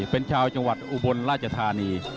เป็นชาวจังหวัดอุบลราชธานี